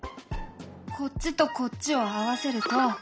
こっちとこっちを合わせると。